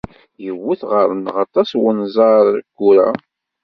Iwet ɣer-neɣ aṭas n unẓar ayyur-a.